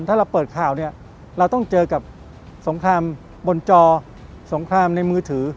ถ้าเราเปิดข่าวเนี่ยเราต้องเจอกับสงครามบนจอสงครามในมือถือ